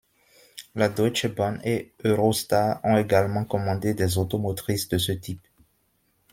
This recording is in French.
La Deutsche Bahn et Eurostar ont également commandé des automotrices de ce type.